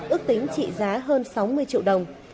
ước tính trị giá hơn sáu mươi triệu đồng